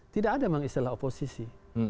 tidak ada memang istilah oposisi